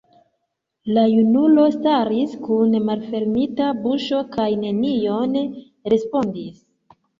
La junulo staris kun malfermita buŝo kaj nenion respondis.